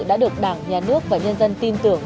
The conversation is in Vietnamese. đã được đảng nhà nước và nhân dân tin tưởng